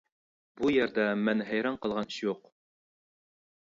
بۇ يەردە مەن ھەيران قالغان ئىش يوق.